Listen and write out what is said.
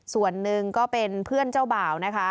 ส่วนหนึ่งก็เป็นเพื่อนเจ้าบ่าวนะคะ